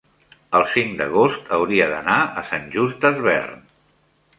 el cinc d'agost hauria d'anar a Sant Just Desvern.